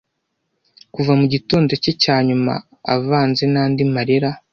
kuva mugitondo cye cyanyuma avanze nandi marira